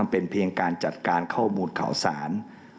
เป็นเพียงการจัดการข้อมูลข่าวสาร